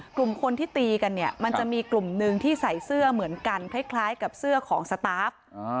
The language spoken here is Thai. กลุ่มคนที่ตีกันเนี่ยมันจะมีกลุ่มหนึ่งที่ใส่เสื้อเหมือนกันคล้ายกับเสื้อของสตาฟ